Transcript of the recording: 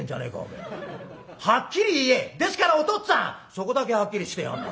「そこだけはっきりしてやがんな。